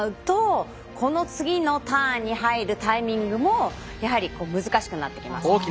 減点要素があってしまうとこの次のターンに入るタイミングもやはり難しくなってきます。